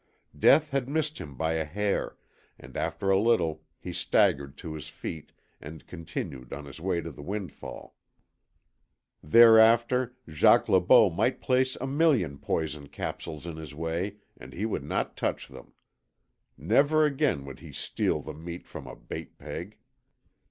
Death had missed him by a hair, and after a little he staggered to his feet and continued on his way to the windfall. Thereafter Jacques Le Beau might place a million poison capsules in his way and he would not touch them. Never again would he steal the meat from a bait peg.